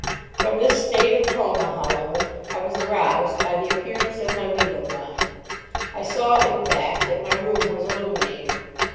From this state of coma, however, I was aroused by the appearance of my window blind. I saw, in fact, that my room was illuminated.